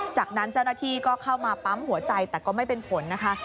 จากนั้นเจ้าหน้าที่ก็เข้ามาปั๊มหัวใจแต่ก็ไม่เป็นผลนะคะ